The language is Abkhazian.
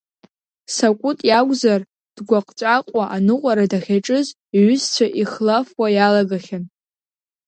Сакәыт иакәзар, дгәаҟҵәаҟуа аныҟәара дахьаҿыз, иҩызцәа ихлафуа иалагахьан.